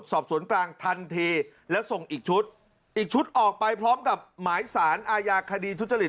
สอบสวนกลางทันทีแล้วส่งอีกชุดอีกชุดออกไปพร้อมกับหมายสารอาญาคดีทุจริต